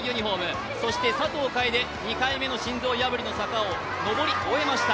そして佐藤楓、２回目の心臓破りの坂を登り終えました。